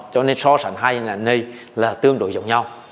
cho nên so sánh hai hình ảnh này là tương đối giống nhau